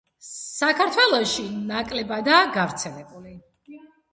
საქართველოში ნაკლებადაა გავრცელებული.